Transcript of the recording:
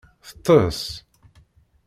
Teṭṭes.